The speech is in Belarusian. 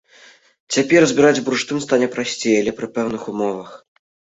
Цяпер збіраць бурштын стане прасцей, але пры пэўных умовах.